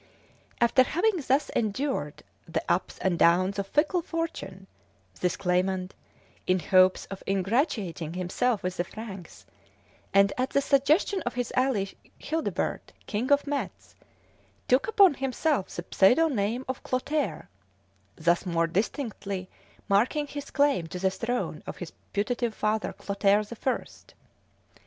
After having thus endured the ups and downs of fickle fortune, this claimant, in hopes of ingratiating himself with the Franks, and at the suggestion of his ally Childebert, king of Metz, took upon himself the pseudo name of Clotaire, thus more distinctly marking his claim to the throne of his putative father Clotaire the First.